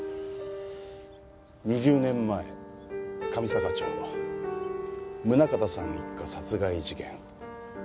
２０年前神坂町宗像さん一家殺害事件。